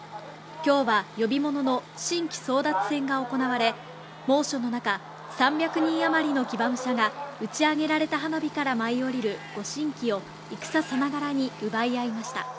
今日は呼び物の神旗争奪戦が行われ、猛暑の中、３００人余りの騎馬武者が打ち上げられた花火から舞い降りる御神旗を戦さながらに奪い合いました。